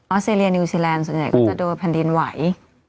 สเตรเลียนิวซีแลนด์ส่วนใหญ่ก็จะโดนแผ่นดินไหว